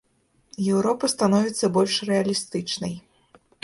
Еўропа становіцца больш рэалістычнай.